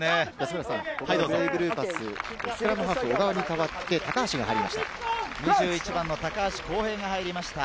ブレイブルーパス・小川に代わって高橋が入りました。